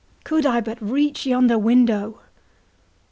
—Could I but reach yonder window!"